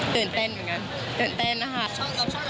ตื่นเต้นตื่นเต้นนะคะ